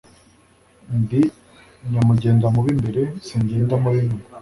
Ndi Nyamugendamubimbere, Singenda mu b'inyuma,